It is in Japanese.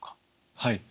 はい。